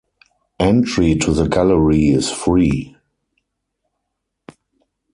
Entry to the gallery is free.